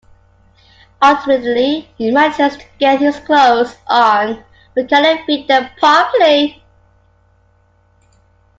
Ultimately he manages to get his clothes on but cannot fit them properly.